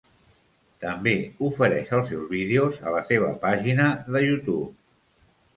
També ofereix els seus vídeos a la seva pàgina de YouTube.